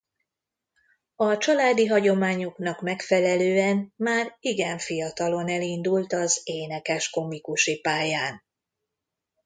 A családi hagyományoknak megfelelően már igen fiatalon elindult az énekes-komikusi pályán.